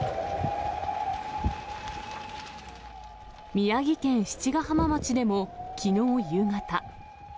宮城県七ヶ浜町でも、きのう夕方。